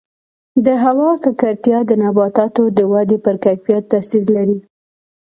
د هوا ککړتیا د نباتاتو د ودې پر کیفیت تاثیر لري.